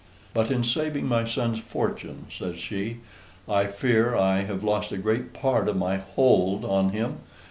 "But in saving my son's fortune," says she, "I fear I have lost a great part of my hold on him."